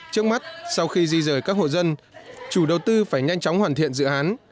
trước mắt sau khi di rời các hộ dân chủ đầu tư phải nhanh chóng hoàn thiện dự án